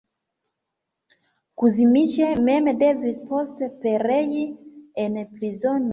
Kuzmiĉ mem devis poste perei en prizono.